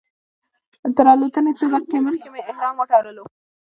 تر الوتنې څو دقیقې مخکې مې احرام وتړلو.